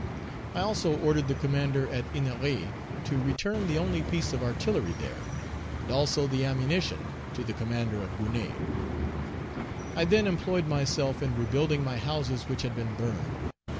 I also ordered the commander at Ennery to return the only piece of artillery there, and also the ammunition, to the commander of Gonaïves. I then employed myself in rebuilding my houses which had been burned.